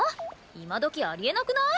今どきあり得なくない？